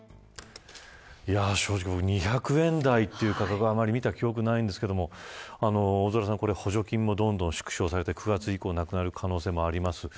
正直２００円台という価格はあまり見た記憶がないんですけど補助金もどんどん縮小されて９月以降なくなる可能性もあります。